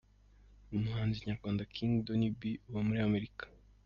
Umuhanzi nyarwanda King Donny B uba muri Amerika.